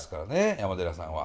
山寺さんは。